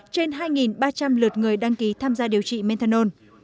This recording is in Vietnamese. trên hai ba trăm linh lượt người đăng ký tham gia điều trị methanol